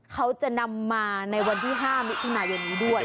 เขาจะนำมาในวันที่๕มิถุนายนนี้ด้วย